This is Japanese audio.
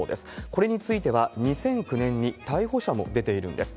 これについては、２００９年に逮捕者も出ているんです。